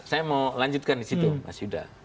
saya mau lanjutkan di situ mas yuda